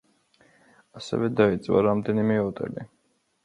ასევე დაიწვა რამდენიმე ოტელი.